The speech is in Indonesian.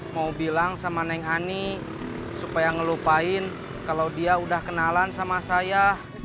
mau bilang sama neng ani supaya ngelupain kalau dia udah kenalan sama saya